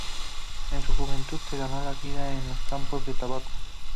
En su juventud se ganó la vida en los campos de tabaco.